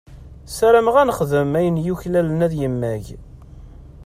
Sarameɣ ad nexdem ayen yuklalen ad yemmag.